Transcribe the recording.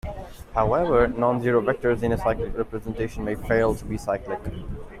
However, non-zero vectors in a cyclic representation may fail to be cyclic.